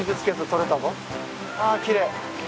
あきれい。